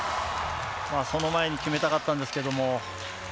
その前に決めたかったんですが。